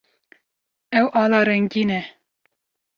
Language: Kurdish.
Ew ala rengîn e.